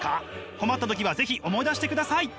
困った時は是非思い出してください！